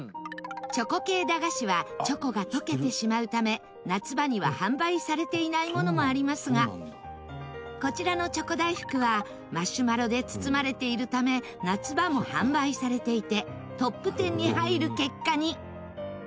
チョコ系駄菓子はチョコが溶けてしまうため夏場には販売されていないものもありますがこちらのチョコ大福はマシュマロで包まれているため夏場も販売されていてトップ１０に入る結果に！